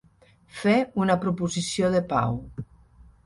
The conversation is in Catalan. Fer una proposició de pau.